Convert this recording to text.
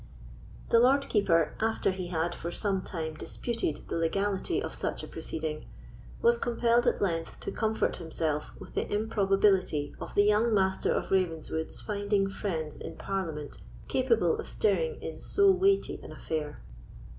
The Lord Keeper, after he had for some time disputed the legality of such a proceeding, was compelled, at length, to comfort himself with the improbability of the young Master of Ravenswood's finding friends in parliament capable of stirring in so weighty an affair.